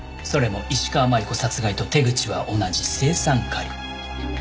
それも石川真悠子殺害と手口は同じ青酸カリ。